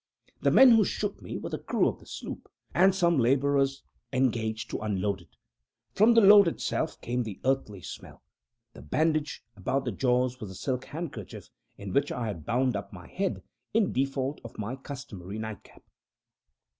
The men who shook me were the crew of the sloop, and some laborers engaged to unload it. From the load itself came the earthly smell. The bandage about the jaws was a silk handkerchief in which I had bound up my head, in default of my customary nightcap.